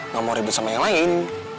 gak mau ribut sama yang lain